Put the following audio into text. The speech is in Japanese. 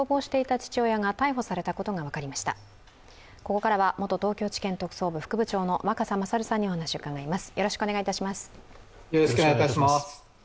ここからは元東京地検特捜部副部長の若狭勝さんにお話を伺います。